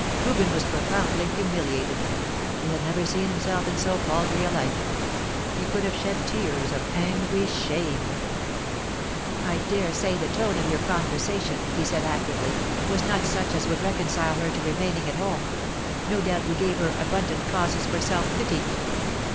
Reuben was profoundly humiliated; he had never seen himself in so paltry a light. He could have shed tears of angry shame. "I dare say the tone of your conversation," he said acridly, "was not such as would reconcile her to remaining at home. No doubt you gave her abundant causes for self pity."